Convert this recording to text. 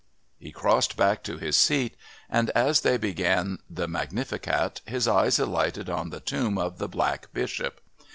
He crossed back to his seat, and, as they began the "Magnificat," his eye alighted on the tomb of the Black Bishop.